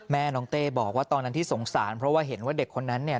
แม่น้องเต้บอกว่าตอนนั้นที่สงสารเพราะว่าเห็นว่าเด็กคนนั้นเนี่ย